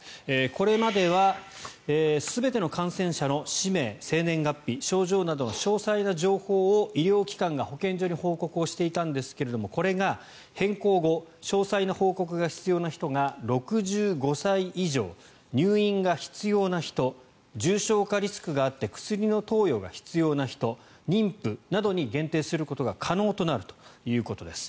これまでは全ての感染者の氏名、生年月日、症状などの詳細な情報を医療機関が保健所に報告していたんですがこれが、変更後詳細の報告が必要な人が６５歳以上、入院が必要な人重症化リスクがあって薬の投与が必要な人妊婦などに限定することが可能となるということです。